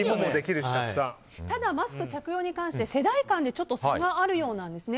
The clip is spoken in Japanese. ただ、マスク着用に関して世代間で差があるようです。